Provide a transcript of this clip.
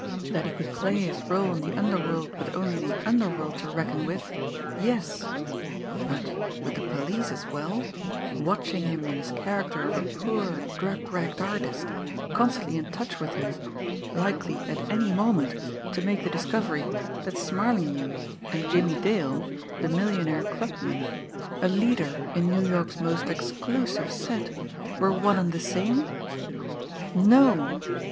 That he could play his role in the underworld with only the underworld to reckon with yes; but with the police as well, watching him in his character of a poor, drug wrecked artist, constantly in touch with him, likely at any moment to make the discovery that Smarlinghue and Jimmie Dale, the millionaire clubman, a leader in New York's most exclusive set, were one and the same no!